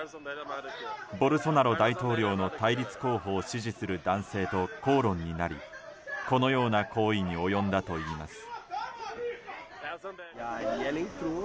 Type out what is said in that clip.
ボルソナロ大統領の対立候補を支持する男性と口論になり、このような行為に及んだといいます。